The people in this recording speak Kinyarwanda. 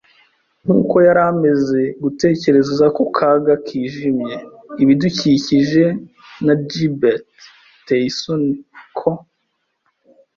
nkuko yari ameze, gutekereza ku kaga kijimye ibidukikije na gibbet iteye isoni ko